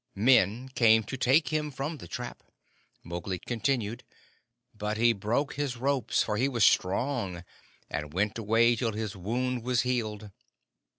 "Men came to take him from the trap," Mowgli continued, "but he broke his ropes, for he was strong, and went away till his wound was healed.